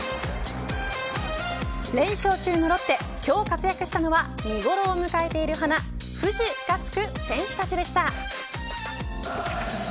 連勝中のロッテ今日活躍したのは見頃を迎えている花藤がつく選手たちでした。